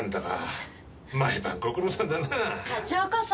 課長こそ。